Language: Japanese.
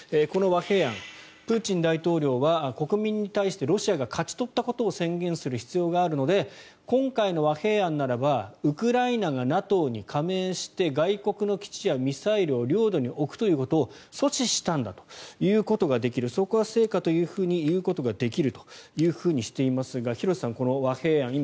この和平案、プーチン大統領は国民に対してロシアが勝ち取ったことを宣言する必要があるので今回の和平案ならばウクライナがＮＡＴＯに加盟して外国の基地やミサイルを領土に置くということを阻止したんだと言うことができるそこは成果と言うことができるとしていますが廣瀬さん、この和平案